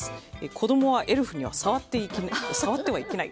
子供はエルフには触ってはいけない。